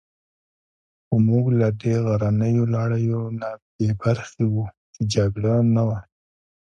خو موږ له دې غرنیو لړیو نه بې برخې وو، چې جګړه نه وه.